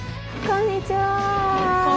こんにちは。